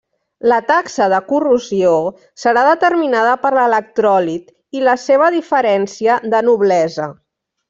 La taxa de corrosió serà determinada per l'electròlit i la seva diferència de noblesa.